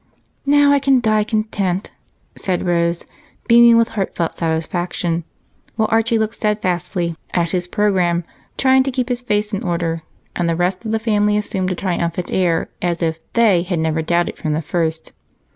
"Now I can die content," said Rose, beaming with heartfelt satisfaction while Archie looked steadfastly at his program, trying to keep his face in order, and the rest of the family assumed a triumphant air, as if they had never doubted from the first.